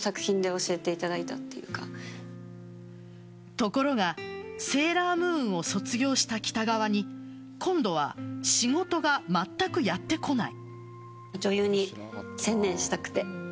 ところが「セーラームーン」を卒業した北川に今度は仕事がまったくやってこない。